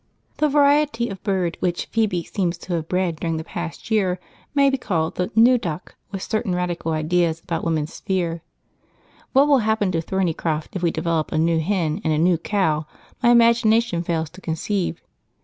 The variety of bird which Phoebe seems to have bred during the past year may be called the New Duck, with certain radical ideas about woman's sphere. What will happen to Thornycroft if we develop a New Hen and a New Cow, my imagination fails to conceive.